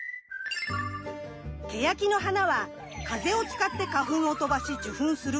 ケヤキの花は風を使って花粉を飛ばし受粉する風媒